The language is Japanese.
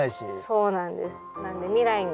そうなんです。